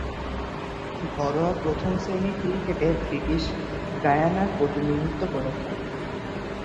ঘরোয়া প্রথম-শ্রেণীর ক্রিকেটে ব্রিটিশ গায়ানার প্রতিনিধিত্ব করেছেন।